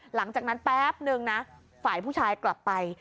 หลังจากนั้นแป๊บหนึ่งนะฝ่ายผู้ชายกลับไป